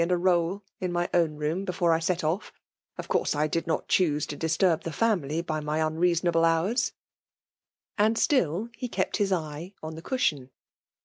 and a roll fin tny own room befi»e I set off. .Of cootsd 1 tfid iiot choose to disturb the fiim&j by my unrein sonable houxB." And still he kept bis cye*^ (he cushion.